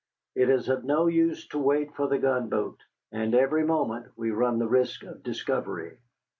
It is of no use to wait for the gunboat, and every moment we run the risk of discovery.